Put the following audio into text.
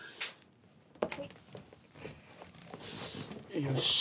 よし。